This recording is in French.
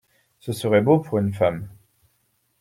Ce serait beau pour une femme !